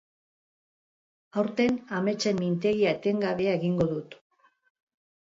Aurten ametsen mintegi etengabea egingo dut.